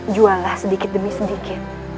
juallah sedikit demi sedikit